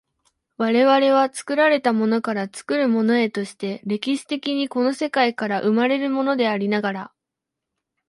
我々は作られたものから作るものへとして、歴史的にこの世界から生まれるものでありながら、